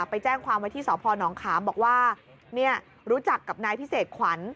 ไปแจ้งความไว้ที่สพนขามบอกว่าเนี่ยรู้จักกับนายพิเศษขวัญ